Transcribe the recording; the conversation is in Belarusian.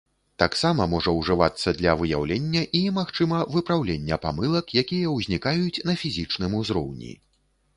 Таксама можа ўжывацца для выяўлення і, магчыма, выпраўлення памылак, якія узнікаюць на фізічным узроўні.